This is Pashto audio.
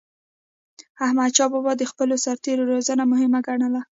احمدشاه بابا د خپلو سرتېرو روزنه مهمه ګڼله.